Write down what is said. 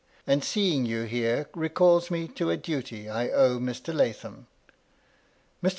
And seeing you here, recalls me to a duty I owe Mr. Lathom. Mr.